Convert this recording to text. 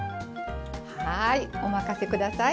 はいお任せ下さい。